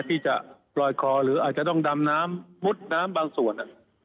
ที่จะลอยคอหรืออาจจะต้องดำน้ำมุดน้ำบางส่วน